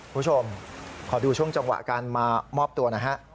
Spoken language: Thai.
คุณผู้ชมขอดูช่วงจังหวะการมามอบตัวนะฮะ